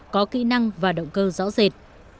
có kỹ năng và động cơ rõ rệt